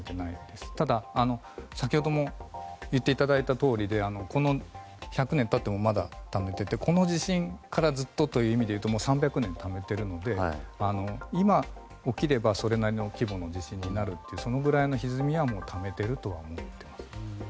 ただ、先ほども言っていただいたとおりで１００年経ってもまだためていてこの地震からずっとという意味でいうと３００年ためているので今起きればそれなりの規模の地震になるそのくらいのひずみはもう、ためてるとは思います。